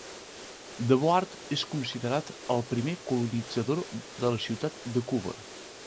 Deboard és considerat el primer colonitzador de la Ciutat de Cuba.